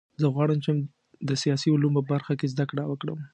زه غواړم چې د سیاسي علومو په برخه کې زده کړه وکړم